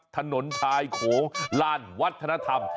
ถนนชายโขงลานวัฒนธรรม